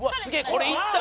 これいった？